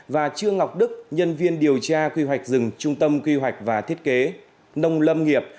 và trương ngọc đức nhân viên điều tra quy hoạch rừng trung tâm quy hoạch và thiết kế nông lâm nghiệp